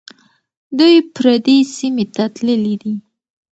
دوی پردي سیمې ته تللي دي.